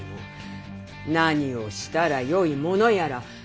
何をしたらよいものやら皆目見当が。